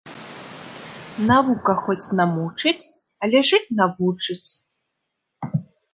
Навука хоць намучыць, але жыць навучыць